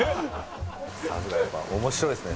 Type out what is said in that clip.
さすがやっぱ面白いですね。